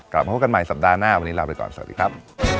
กลับมาพบกันใหม่สัปดาห์หน้าวันนี้ลาไปก่อนสวัสดีครับ